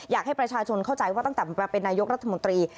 อยากให้ประชาชนเข้าใจว่าตั้งแต่มาเป็นนายกรัฐมนตรี